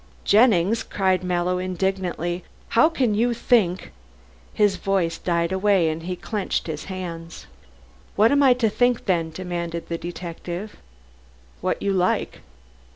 "Jennings," cried Mallow indignantly, "how can you think " his voice died away and he clenched his hands. "What am I to think then?" demanded the detective. "What you like."